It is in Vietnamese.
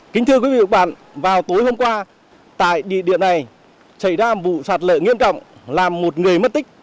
kính thưa quý vị và các bạn vào tối hôm qua tại địa điểm này xảy ra vụ sạt lở nghiêm trọng làm một người mất tích